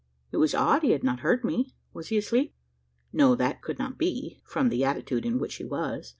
It was odd he had not heard me! Was he asleep? No: that could not be from the attitude in which he was.